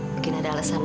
mungkin ada alasan